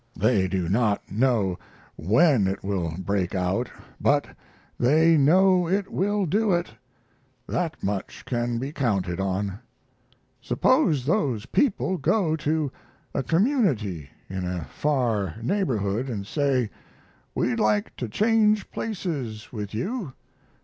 They do not know when it will break out, but they know it will do it that much can be counted on. Suppose those people go to a community in a far neighborhood and say, 'We'd like to change places with you.